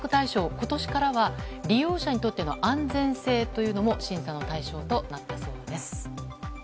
今年からは利用者にとっての安全性というのも審査の対象となったそうです。